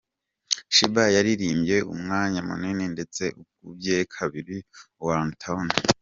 Sheebah yaririmbye umwanya munini ndetse ukubye kabiri uwa Runtown.